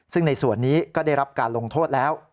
ซึ่งในส่วนนี้ก็ได้รับการลงโทษแล้ว